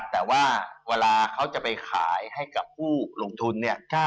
แต่ว่าเวลาเขาจะไปขายให้กับผู้ลงทุนเนี่ย